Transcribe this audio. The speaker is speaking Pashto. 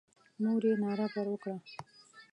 مور یې ناره پر وکړه.